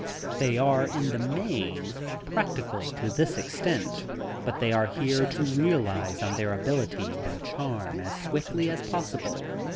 They are, in the main, practical to this extent, that they are here to realize on their ability and charm as swiftly as possible.